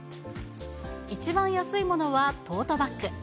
一番安いものはトートバッグ。